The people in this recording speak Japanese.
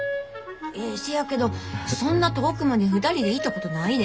えせやけどそんな遠くまで２人で行ったことないで。